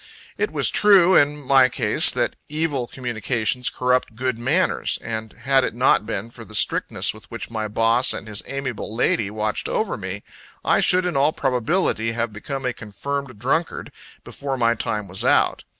It was true in my case, that "evil communications corrupt good manners;" and had it not been for the strictness with which my boss and his amiable lady watched over me, I should in all probability have become a confirmed drunkard, before my time was out.